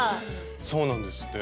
そうなんですって。